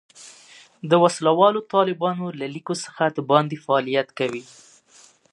د وسله والو طالبانو له لیکو څخه د باندې فعالیت کوي.